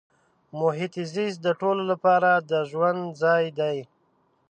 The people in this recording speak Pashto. محیط زیست د ټولو لپاره د ژوند ځای دی.